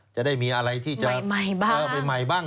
จะได้มีอะไรที่จะไปใหม่บ้างนะเพราะว่าใหม่บ้าง